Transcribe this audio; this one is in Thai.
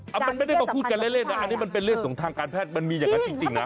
มันไม่ได้มาพูดกันเล่นนะอันนี้มันเป็นเรื่องของทางการแพทย์มันมีอย่างนั้นจริงนะ